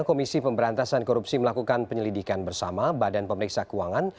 komisi pemberantasan korupsi melakukan penyelidikan bersama badan pemeriksa keuangan